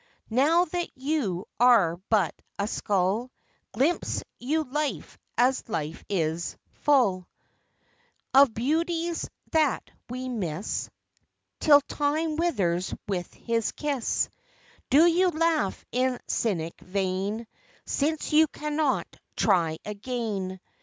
Now that you are but a skull Glimpse you life as life is, full Of beauties that we miss Till time withers with his kiss? Do you laugh in cynic vein Since you cannot try again?